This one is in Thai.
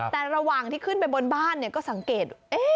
แต่ระหว่างที่ขึ้นไปบนบ้านก็สังเกต